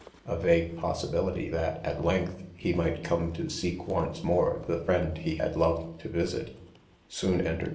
'A vague possibility that| •at length, he; might come " to ^see^kf on]eef; ffliOr4 the friend he had loved to visits soon entered.